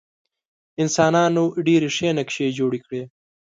انسانانو ډېرې ښې نقشې جوړې کړې.